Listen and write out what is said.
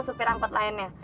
supir angkot lainnya